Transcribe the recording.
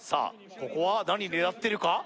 ここは何狙ってるか？